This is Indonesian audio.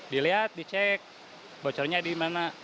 dilihat dicek bocornya di mana